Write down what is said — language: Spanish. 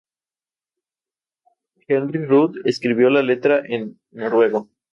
Henry Ruud escribió la letra en noruego.